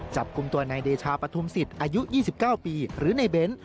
จับกลุ่มตัวนายเดชาปฐุมศิษย์อายุ๒๙ปีหรือในเบ้น